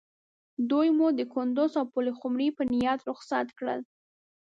دوی مو د کندوز او پلخمري په نیت رخصت کړل.